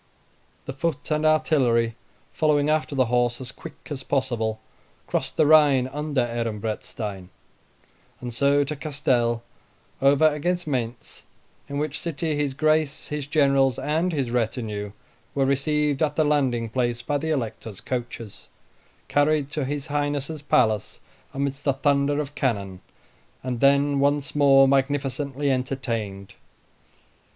The foot and artillery, following after the horse as quick as possible, crossed the Rhine under Ehrenbreitstein, and so to Castel, over against Mayntz, in which city his Grace, his generals, and his retinue were received at the landing place by the Elector's coaches, carried to his Highness's palace amidst the thunder of cannon, and then once more magnificently entertained.